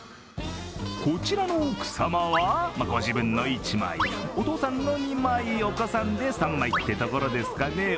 こちらの奥様は、ご自分の１枚、お父さんの２枚、お子さんで３枚ってところですかね